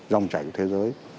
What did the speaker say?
dòng chảy của thế giới